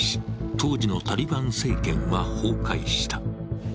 当時のタリバン政権は崩壊した。